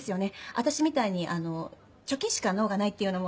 私みたいに貯金しか能がないっていうのも何か。